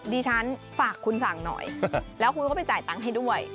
ดิฉันฝากคุณสั่งหน่อยแล้วคุณก็ไปจ่ายตังค์ให้ด้วย